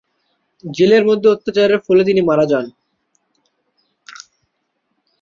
জেলের মধ্যে অত্যাচারের ফলে তিনি মারা যান।